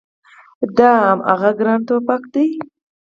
دا هماغه ګران ټوپګ دی